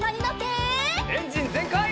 エンジンぜんかい！